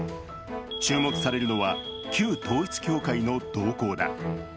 注目されるのは、旧統一教会の動向だ。